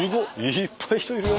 いっぱい人いるよ。